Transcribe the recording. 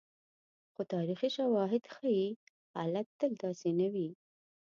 خو تاریخي شواهد ښيي، حالت تل داسې نه وي.